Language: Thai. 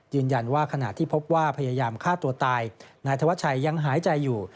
ขณะที่พบว่าพยายามฆ่าตัวตายนายธวัชชัยยังหายใจอยู่